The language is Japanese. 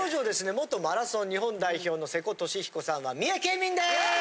元マラソン日本代表の瀬古利彦さんは三重県民です！